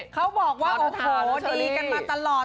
เขาบอกว่าโอ้โหดีกันมาตลอด